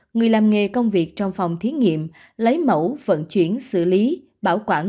người làm nghề công việc trong phòng thí nghiệm lấy mẫu vận chuyển xử lý bảo quản